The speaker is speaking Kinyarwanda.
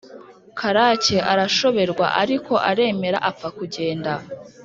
karake arashoberwa ariko aremera apfa kugenda,